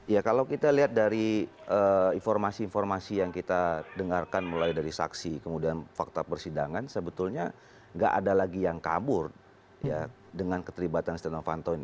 ya kalau kita lihat dari informasi informasi yang kita dengarkan mulai dari saksi kemudian fakta persidangan sebetulnya nggak ada lagi yang kabur dengan keterlibatan setia novanto ini